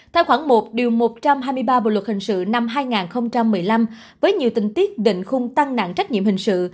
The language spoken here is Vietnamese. theo khoảng một một trăm hai mươi ba bộ luật hình sự năm hai nghìn một mươi năm với nhiều tình tiết định khung tăng nặng trách nhiệm hình sự